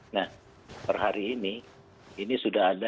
nah per hari ini ini sudah ada